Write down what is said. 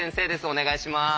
お願いします。